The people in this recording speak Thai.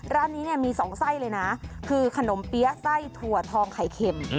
ร้านนี้เนี่ยมี๒ไส้เลยนะคือขนมเปี๊ยะไส้ถั่วทองไข่เค็ม